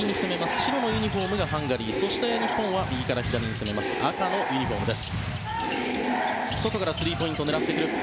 白のユニホームがハンガリーそして、日本は右から左に攻める赤のユニホームです。